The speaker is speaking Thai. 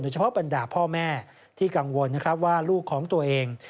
เฉพาะบรรดาพ่อแม่ที่กังวลนะครับว่าลูกของตัวเอง